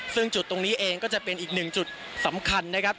ซึ่งจุดตรงนี้เองก็จะเป็นอีกหนึ่งจุดสำคัญนะครับ